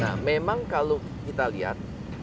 nah memang kalau kita lihat